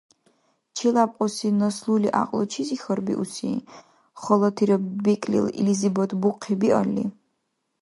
Челябкьуси наслули гӀякьлу чизи хьарбиуси, халатира бекӀлил илизибад бухъи биалли?